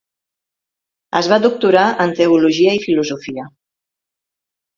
Es va doctorar en Teologia i Filosofia.